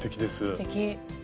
すてき！